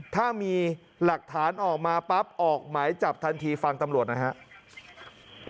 ถ้ามีหลักฐานออกมาปั๊บออกหมายจับทันทีฟังตำรวจหน่อยครับ